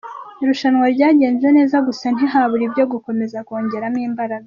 Irushanwa ryagenze neza gusa ntihabura ibyo gukomeza kongeramo imbaraga.